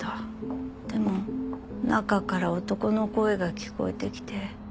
でも中から男の声が聞こえてきて。